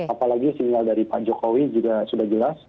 apalagi sinyal dari pak jokowi juga sudah jelas